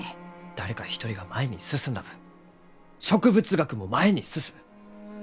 誰か一人が前に進んだ分植物学も前に進む！